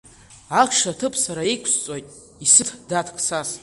Ахш аҭыԥ сара иқәсҵоит, исыҭ, дад Қсас…